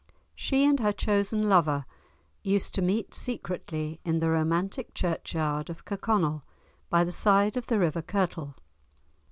She and her chosen lover used to meet secretly in the romantic churchyard of Kirkconnell, by the side of the river Kirtle.